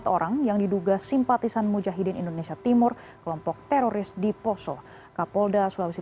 empat orang yang diduga simpatisan mujahidin indonesia timur kelompok teroris di poso kapolda sulawesi